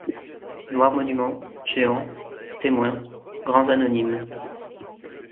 Noirs monuments, géants, témoins, grands anonymes